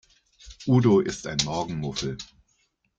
Udo ist ein Morgenmuffel.